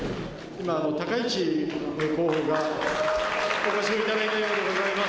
今、高市候補がお越しいただいたようでございます。